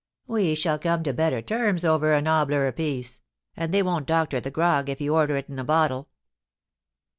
We shall come to better terms over a nobbier apiece, and they won't doctor the grog if you order it in the bottle.'